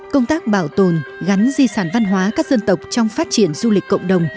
công tác bảo tồn gắn di sản văn hóa các dân tộc trong phát triển du lịch cộng đồng